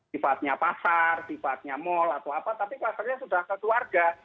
tifasnya pasar tifasnya mall atau apa tapi klusternya sudah keluarga